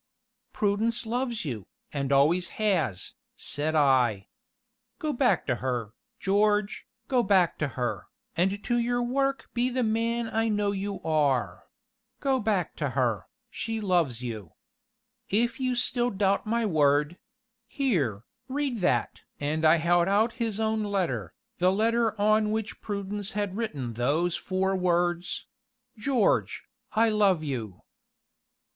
"Prudence loves you, and always has," said I. "Go back to her, George, go back to her, and to your work be the man I know you are; go back to her she loves you. If you still doubt my word here, read that!" and I held out his own letter, the letter on which Prudence had written those four words: "George, I love you."